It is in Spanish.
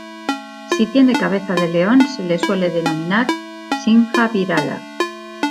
Si tiene cabeza de león, se le suele denominar Simha-virala.